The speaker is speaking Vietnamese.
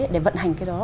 để vận hành cái đó